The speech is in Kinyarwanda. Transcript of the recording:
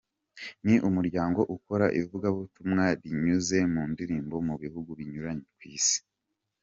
Ni umuryango ukora ivugabutumwa rinyuze mu ndirimbo mu bihugu binyuranye ku Isi.